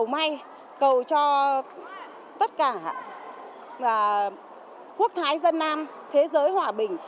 may cầu cho tất cả quốc thái dân nam thế giới hòa bình